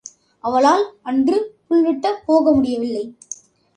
அவளால் அன்று புல்வெட்டப் போக முடியவில்லை.